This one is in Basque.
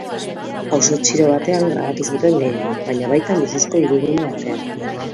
Auzo txiro batean grabatu zuten gehiena, baina baita luxuzko hirigune batean.